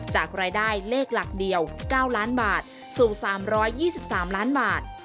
จากรายได้เลขหลักเดียว๙ล้านบาทสู่๓๒๓ล้านบาท